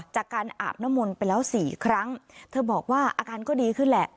การอาบน้ำมนต์ไปแล้วสี่ครั้งเธอบอกว่าอาการก็ดีขึ้นแหละ